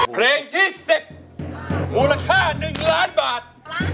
เพลงที่๑๐มูลค่า๑ล้านบาท